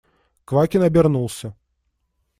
Квакин обернулся.